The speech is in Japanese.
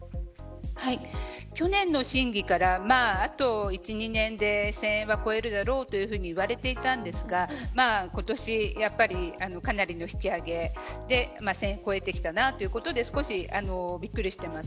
去年の審議からあと１、２年で１０００円は超えるだろうというふうに言われていたんですが今年かなりの引き上げで１０００円を超えてきたなということで少しびっくりしています。